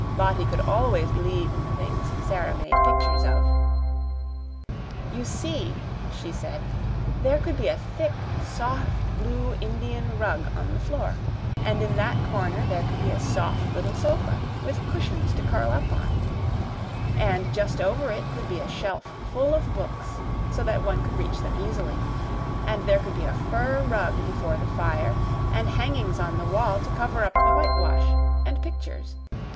Lottie could always believe in the things Sara made pictures of. "You see," she said, "there could be a thick, soft blue Indian rug on the floor; and in that corner there could be a soft little sofa, with cushions to curl up on; and just over it could be a shelf full of books so that one could reach them easily; and there could be a fur rug before the fire, and hangings on the wall to cover up the whitewash, and pictures.